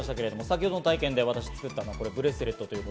先ほどの体験で作ったブレスレットです。